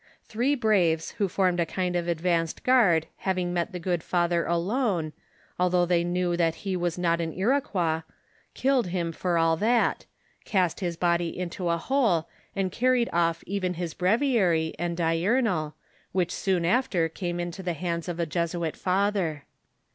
Three braves who formed a kind of advanced guard having met the good father alone, although they knew that he was not an Iroquois, killed him for all that, cast his body into a hole, and carried off even his breviary, and diurnal, which soon after came to the hands of a Jesuit father.